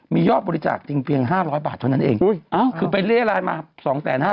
มียอบบริจาคจริง๕๐๐บาทเท่านั้นเองคือไปเรียกรายมาสองแสนห้า